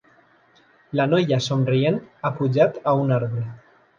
La noia somrient ha pujat a un arbre.